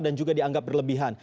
dan juga dianggap berlebihan